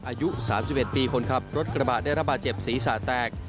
อายุ๓๑ปีคนขับรถกระบะได้ระบาดเจ็บศีรษะแตก